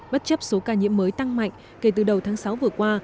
bất chấp số ca nhiễm mới tăng mạnh kể từ đầu tháng sáu vừa qua